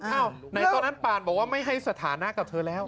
ไหนตอนนั้นปานบอกว่าไม่ให้สถานะกับเธอแล้ว